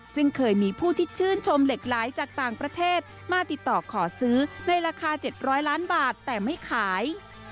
ซึ่งเคยมีผู้ที่ชื่นชมเหล็กไหลจากต่างประเทศมาติดต่อขอซื้อในราคา๗๐๐ล้านบาทแต่ไม่ขาย